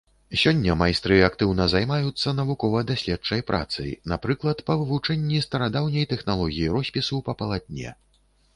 Сёння майстры актыўна займаюцца навукова-даследчай працай, напрыклад, па вывучэнні старадаўняй тэхналогіі роспісу па палатне.